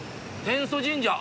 天祖神社。